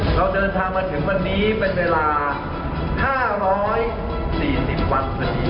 เราเดินทางมาถึงวันนี้เป็นเวลา๕๔๐วันพอดี